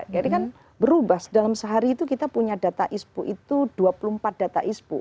jadi kan berubah dalam sehari itu kita punya data ispu itu dua puluh empat data ispu